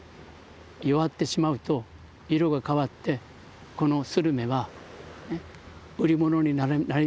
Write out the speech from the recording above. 弱ってしまうと色が変わってこのスルメは売り物になりません。